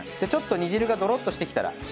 ちょっと煮汁がドロっとしてきたら。